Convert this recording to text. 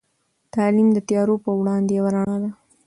تعلیم د تيارو په وړاندې یوه رڼا ده.